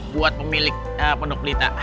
buat pemilik penduk pelita